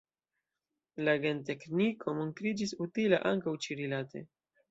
La gentekniko montriĝis utila ankaŭ ĉi-rilate.